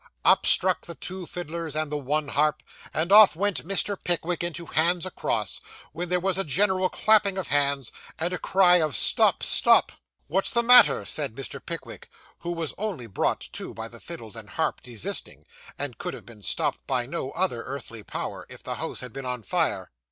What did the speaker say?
Up struck the two fiddles and the one harp, and off went Mr. Pickwick into hands across, when there was a general clapping of hands, and a cry of 'Stop, stop!' 'What's the matter?' said Mr. Pickwick, who was only brought to, by the fiddles and harp desisting, and could have been stopped by no other earthly power, if the house had been on fire.